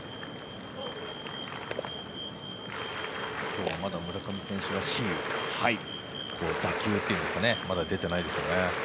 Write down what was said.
今日はまだ村上選手らしい打球というんですかねまだ出てないですよね。